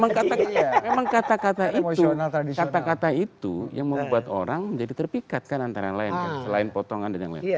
memang kata kata itu yang membuat orang menjadi terpikat kan antara yang lain selain potongan dan yang lain